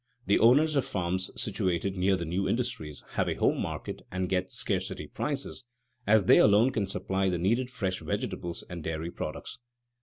The owners of farms situated near the new industries have a home market and get scarcity prices, as they alone can supply the needed fresh vegetables and dairy products.